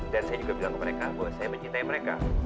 dan saya juga bilang ke mereka bahwa saya mencintai mereka